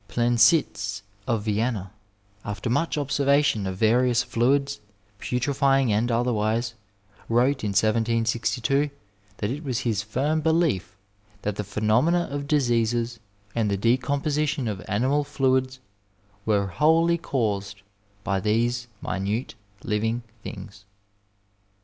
Plenciz, of Vienna, after much \)bservation of various fluids, putrefying and otherwise, 238 Digitized by VjOOQIC MEDICINE IN THE NINETEENTH CENTURY wrote in 1762 that it was his firm belief that the pheno mena of diseases and the decomposition of animal fluids were wholly caused by these minute living things.